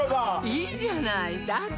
いいじゃないだって